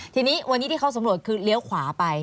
ทีนี้วันนี้ที่เขาสำรวจคือเลี้ยวขวาไป